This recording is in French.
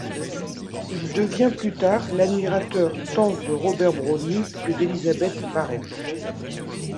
Il devient plus tard l'admirateur tant de Robert Browning que d'Elizabeth Barrett.